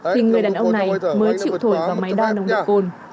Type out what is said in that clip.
thì người đàn ông này mới chịu thổi vào máy đo nồng độ cồn